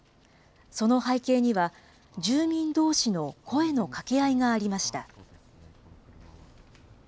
その背景には、住民どうしの声のかけ合いがありました。